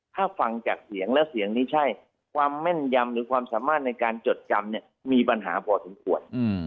ถ้าฟังจากเสียงแล้วเสียงนี้ใช่ความแม่นยำหรือความสามารถในการจดจำเนี่ยมีปัญหาพอสมควร